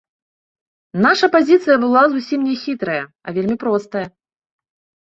Наша пазіцыя была зусім не хітрая, а вельмі простая.